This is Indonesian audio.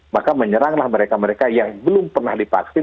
maka menyeranglah mereka mereka yang belum pernah divaksin